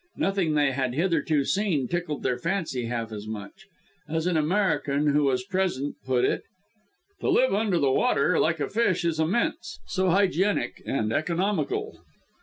Nothing they had hitherto seen tickled their fancy half as much. As an American, who was present, put it "To live under the water like a fish is immense so hygienic and economical."